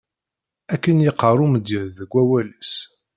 Akken yeqqar umedyaz deg wawal-is.